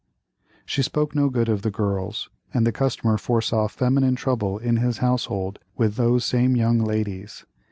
She spoke no good of the girls, and the customer foresaw feminine trouble in his household with those same young ladies.